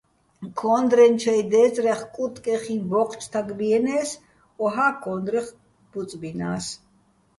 ქო́ნდრეჼ ჩაჲ დე́წრეხ კურტკეხიჼ ბო́ჴჩ თაგბიენე́ს, ოჰა́ ქო́ნდრეხ ბუწბინა́ს.